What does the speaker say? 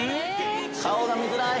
顔が見づらい！